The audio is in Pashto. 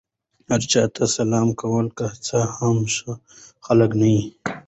هر چا ته سلام کوئ! که څه هم ښه خلک نه يي.